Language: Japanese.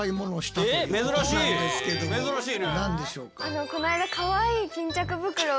何でしょうか？